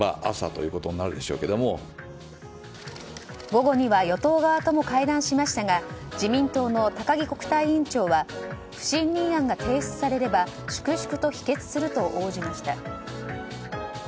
午後には与党側とも会談しましたが自民党の高木国対委員長は不信任案が提出されれば粛々と否決すると応じました。